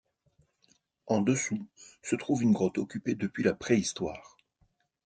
En dessous se trouve une grotte occupée depuis la préhistoire.